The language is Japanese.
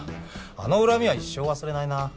あの恨みは一生忘れないな。